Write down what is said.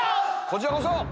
こちらこそ！